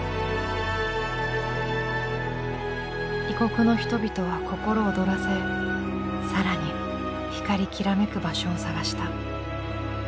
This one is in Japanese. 異国の人々は心躍らせ更に光きらめく場所を探した。